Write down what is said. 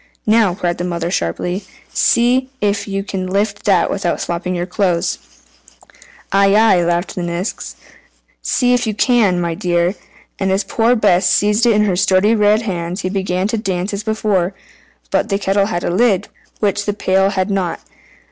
"Now," cried the mother sharply, "see if you can lift that without slopping your clothes." "Aye, aye," laughed the Nix, "see if you can, my dear!" and as poor Bess seized it in her sturdy red hands he began to dance as before. But the kettle had a lid, which the pail had not.